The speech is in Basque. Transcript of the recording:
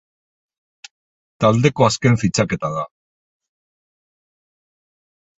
Taldeko azken fitxaketa da.